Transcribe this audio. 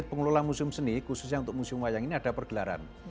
jadi pengelola museum seni khususnya untuk museum wayang ini ada pergelaran